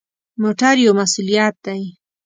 موټر یو مسؤلیت دی.